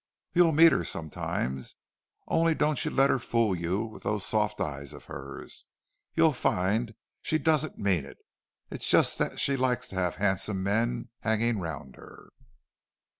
You'll meet her sometime—only don't you let her fool you with those soft eyes of hers. You'll find she doesn't mean it; it's just that she likes to have handsome men hanging round her."